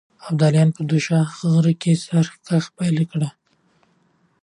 ابداليانو په دوشاخ غره کې سرکښي پيل کړه.